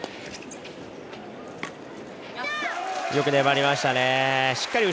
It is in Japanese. よく粘りましたね。